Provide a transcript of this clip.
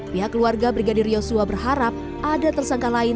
pihak keluarga brigadir yosua berharap ada tersangka lain